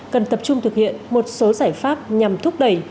cần tập trung thực hiện một số giải pháp nhằm thúc đẩy